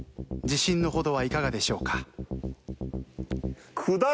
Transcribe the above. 自信のほどはいかがでしょうか？